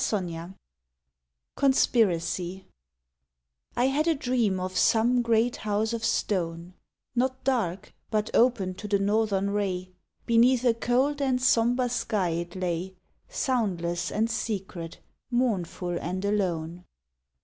18 CONSPIRACY I had a dream of some great house of stone, Not dark, but open to the northern ray. Beneath a cold and somber sky it lay, Soundless and secret, mournful and alone.